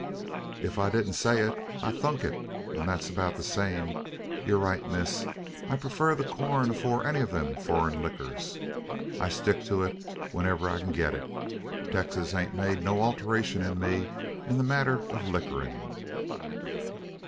"Ef I didn't say it, I thunk it; an that air about the same. Yur right, miss, I prefar the corn afore any o' them thur furrin lickers; an I sticks to it whuriver I kin git it. Texas hain't made no alterashun in me in the matter o' lickerin'."